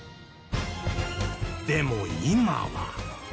でも今は